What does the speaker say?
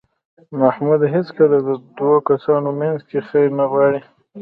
محمود هېڅکله د دو کسانو منځ کې خیر نه غواړي.